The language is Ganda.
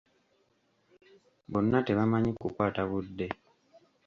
Bonna tebamanyi kukwata budde.